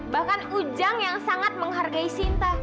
bahkan ujang yang sangat menghargai sinta